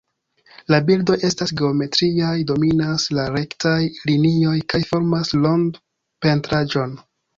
La bildoj estas geometriaj, dominas la rektaj linioj kaj formas rond-pentraĵon.